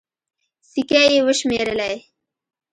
سيکې يې وشمېرلې.